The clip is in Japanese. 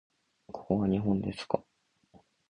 ここは日本ですか？